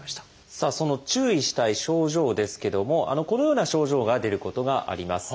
その注意したい症状ですけどもこのような症状が出ることがあります。